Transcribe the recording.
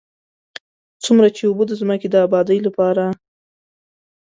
څومره چې اوبه د ځمکې د ابادۍ لپاره.